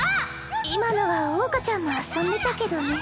今のは桜花ちゃんも遊んでたけどね。